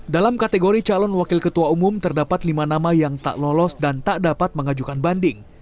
dalam kategori calon wakil ketua umum terdapat lima nama yang tak lolos dan tak dapat mengajukan banding